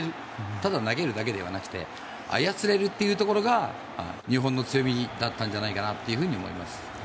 ただ投げるだけではなくて操れるというところが日本の強みだったんじゃないかと思います。